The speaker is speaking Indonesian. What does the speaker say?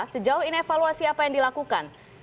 sejauh ini evaluasi apa yang dilakukan